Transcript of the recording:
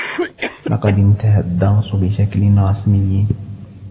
لقد انتهى الدّرس بشكل رسمي.